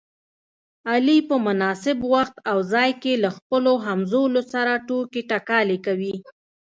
علي په مناسب وخت او ځای کې له خپلو همځولو سره ټوکې ټکالې کوي.